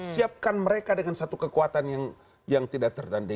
siapkan mereka dengan satu kekuatan yang tidak tertandai